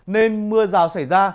nên mưa rào xảy ra